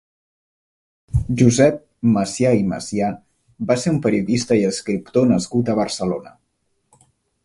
Josep Macià i Macià va ser un periodista i escriptor nascut a Barcelona.